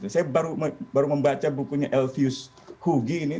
saya baru membaca bukunya elvius hugi ini